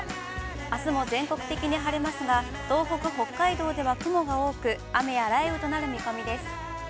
あすも全国的に晴れますが東北、北海道では雲が多く、雨や雷雨となる見込みです。